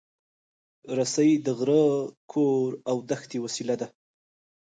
رسۍ د غره، کور، او دښتې وسیله ده.